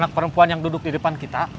anak perempuan yang duduk di depan kita